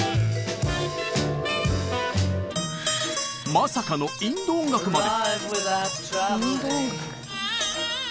まさかのインド音楽まで。